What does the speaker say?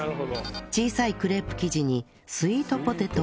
小さいクレープ生地にスイートポテトを絞り